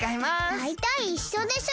だいたいいっしょでしょ？